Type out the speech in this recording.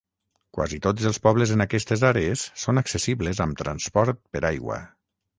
Quasi tots els pobles en aquestes àrees són accessibles amb transport per aigua.